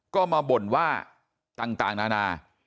ก็มาบ่นว่าต่างนานา